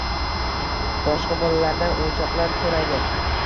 boshqa bolalardan o‘yinchoqdar so‘raydi